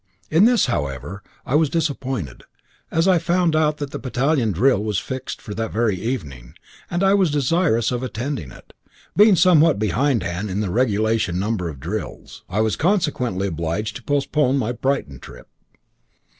In this, however, I was disappointed, as I found that a battalion drill was fixed for that very evening, and I was desirous of attending it, being somewhat behindhand in the regulation number of drills. I was consequently obliged to postpone my Brighton trip.